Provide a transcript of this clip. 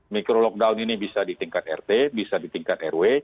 mikro lockdown ini bisa di tingkat rt bisa di tingkat rw